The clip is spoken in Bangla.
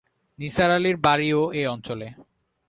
নিসার আলির বাড়িও এ অঞ্চলে।